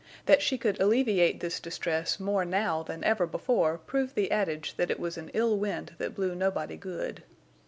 That she could alleviate this distress more now than ever before proved the adage that it was an ill wind that blew nobody good.